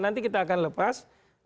nanti kita akan lepas